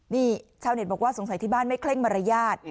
นี่ชาวเน็ตบอกว่าสงสัยที่บ้านไม่เคร่งมารยาท